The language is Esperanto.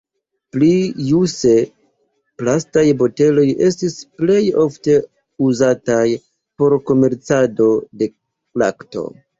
Pli ĵuse, plastaj boteloj estis plej ofte uzataj por komercado de lakto.